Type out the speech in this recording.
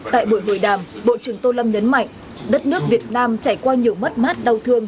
tại buổi hội đàm bộ trưởng tô lâm nhấn mạnh đất nước việt nam trải qua nhiều mất mát đau thương